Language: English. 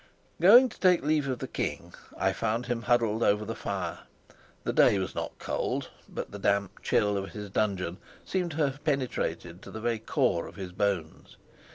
Going to take leave of the king, I found him huddled over the fire. The day was not cold, but the damp chill of his dungeon seemed to have penetrated to the very core of his bones.